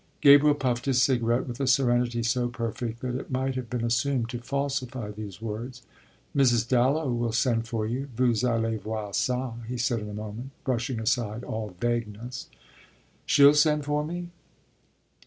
Gabriel puffed his cigarette with a serenity so perfect that it might have been assumed to falsify these words. "Mrs. Dallow will send for you vous allez voir ça," he said in a moment, brushing aside all vagueness. "She'll send for me?"